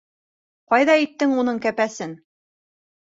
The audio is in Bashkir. Ҡайҙа иттең уның кәпәсен?